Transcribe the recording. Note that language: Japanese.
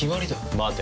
待て。